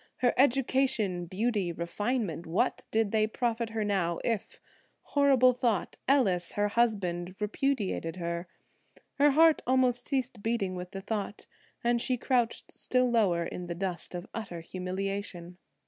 Her education, beauty, refinement, what did they profit her now if–horrible thought–Ellis, her husband, repudiated her? Her heart almost ceased beating with the thought, and she crouched still lower in the dust of utter humiliation.